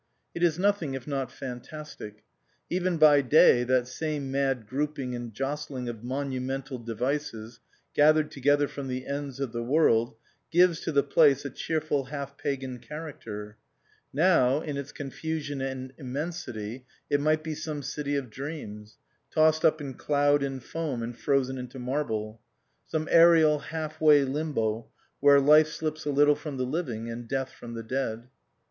It is nothing if not fantastic. Even by day that same mad grouping and jostling of monumental devices, gathered together from the ends of the world, gives to the place a cheerful half pagan character ; now, in its con fusion and immensity, it might be some city of dreams, tossed up in cloud and foam and frozen into marble ; some aerial half way limbo where life slips a little from the living and death from the dead.